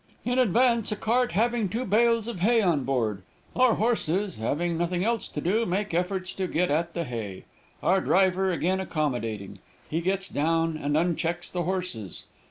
In advance a cart having two bales of hay on board. Our horses, having nothing else to do, make efforts to get at the hay. Our driver again accommodating. He gets down and unchecks the horses.